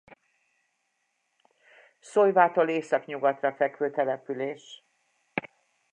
Szolyvától északnyugatra fekvő település.